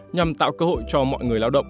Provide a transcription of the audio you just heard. nhằm tạo cơ hội cho mọi người lao động